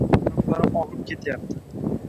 Oyoqlarim og'rib ketyapti.